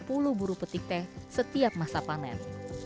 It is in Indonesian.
dan menjualnya sampai enam puluh buru petik teh setiap masa panen